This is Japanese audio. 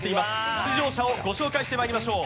出場者をご紹介してまいりましょう。